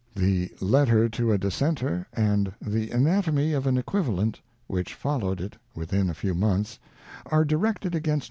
The Letter to a Dissenter and The Anatomy of an Equivalent, which followed it within a few months, are directed against!